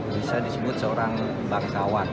bisa disebut seorang bangsawan